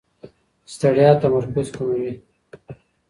ستړیا تمرکز کموي.